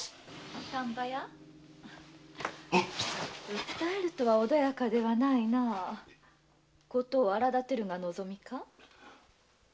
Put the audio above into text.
訴えるとは穏やかではないな事を荒だてるのが望みか？